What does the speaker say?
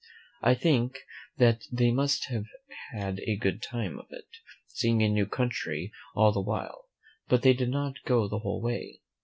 I think that they must have had a good time of it, seeing a new country all the while; but they did not go the whole way.